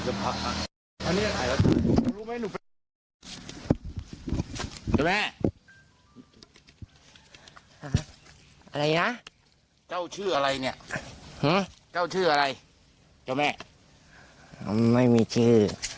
อะไรนะเจ้าชื่ออะไรเนี่ยเจ้าชื่ออะไรเจ้าแม่ไม่มีชื่อ